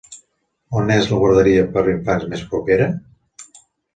On és la guarderia per a infants més propera?